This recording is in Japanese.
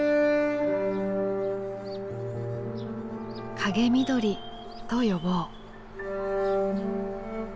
「影みどり」と呼ぼう。